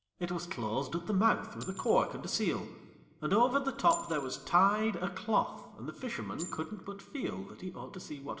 It was closed at the mouth with a cork and a seal, And over the top there was tied A cloth, and the fisherman couldn't but feel That he ought to see what was inside.